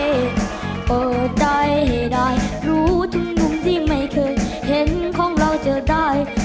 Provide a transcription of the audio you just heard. เปิดใจให้ได้รู้ทุกมุมที่ไม่เคยเห็นของเราจะได้